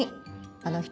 あの人